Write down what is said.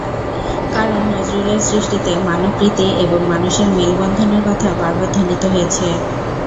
কারণ নজরুলের সৃষ্টিতে মানবপ্রীতি এবং মানুষের মেলবন্ধনের কথা বারবার ধ্বনিত হয়েছে।